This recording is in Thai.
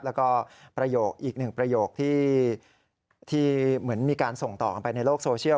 แล้วก็ประโยคอีกหนึ่งประโยคที่เหมือนมีการส่งต่อกันไปในโลกโซเชียล